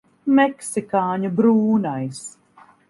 Meksikāņu brūnais.